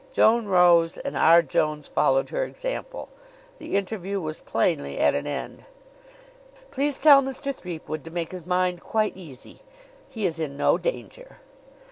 Joan rose and R. Jones followed her example. The interview was plainly at an end. "Please tell Mr. Threepwood to make his mind quite easy. He is in no danger."